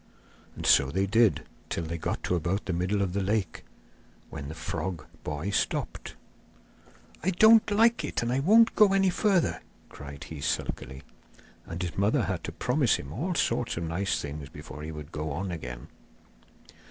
And so they did, till they got to about the middle of the lake, when the frog boy stopped. 'I don't like it, and I won't go any further,' cried he sulkily. And his mother had to promise him all sorts of nice things before he would go on again.